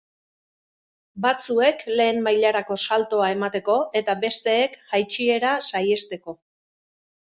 Batzuek lehen mailarako saltoa emateko eta besteek jaitsiera saihesteko.